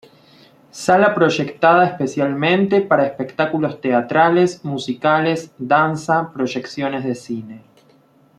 Sala proyectada especialmente para espectáculos teatrales, musicales, danza, proyecciones de cine.